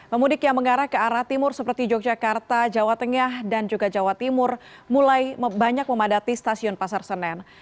pemudik yang mengarah ke arah timur seperti yogyakarta jawa tengah dan juga jawa timur mulai banyak memadati stasiun pasar senen